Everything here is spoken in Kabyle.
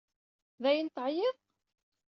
Dayen teɛyiḍ?